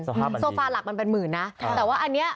สภาพมันดีสภาพหลักมันเป็นหมื่นนะแต่ว่าอันนี้